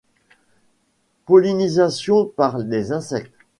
Pollinisation par les insectes.